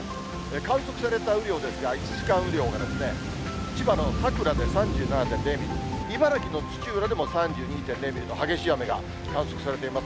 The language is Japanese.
観測された雨量ですが、１時間雨量が、千葉の佐倉で３７．０ミリ、茨城の土浦でも３２．０ミリの激しい雨が観測されています。